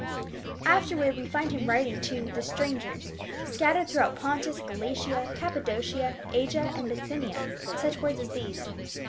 Afterward we find him writing "to the strangers* scattered throughout Pontus, Galatia, Cappadocia, Asia and Bithynia" such words as these.